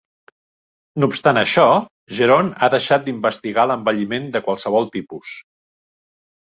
No obstant això, Geron ha deixat d'investigar l'envelliment de qualsevol tipus.